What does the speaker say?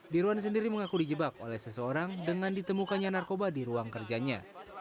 dirwan sendiri mengaku dijebak oleh seseorang dengan ditemukannya narkoba di ruang kerjanya